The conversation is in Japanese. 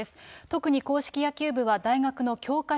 特に硬式野球部は大学の強化